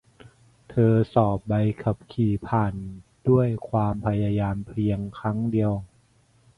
เธอสอบใบขับขี่ผ่านด้วยความพยายามเพียงครั้งเดียว